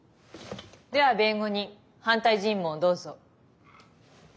では弁護人反対尋問をどうぞ。